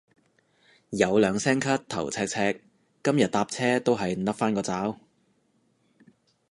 有兩聲咳頭赤赤，今日搭車都係笠返個罩